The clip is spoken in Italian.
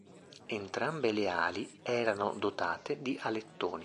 Entrambe le ali erano dotate di alettoni.